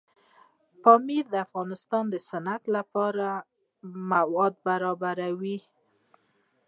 پامیر د افغانستان د صنعت لپاره مواد برابروي.